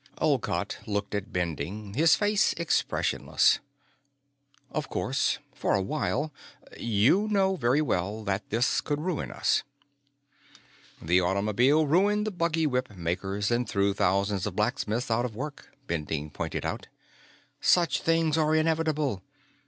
Olcott looked at Bending, his face expressionless. "Of course. For a while. You know very well that this could ruin us." "The automobile ruined the buggy whip makers and threw thousands of blacksmiths out of work," Bending pointed out. "Such things are inevitable.